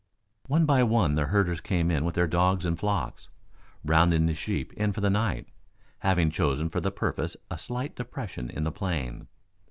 One by one the herders came in with their dogs and flocks, rounding the sheep in for the night, having chosen for the purpose a slight depression in the plain.